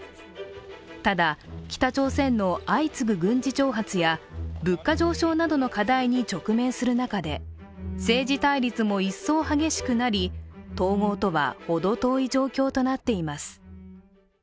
ただ、北朝鮮の相次ぐ軍事挑発や物価上昇などの課題に直面する中で、政治対立も一層激しくなり統合とはほど遠い状況となっています。